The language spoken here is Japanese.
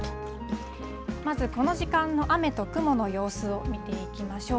まずこの時間の雨と雲の様子を見ていきましょう。